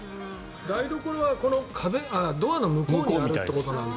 台所はこのドアの向こうにあるってことなんだ。